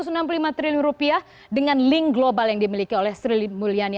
rp enam puluh lima triliun rupiah dengan link global yang dimiliki oleh sri mulyani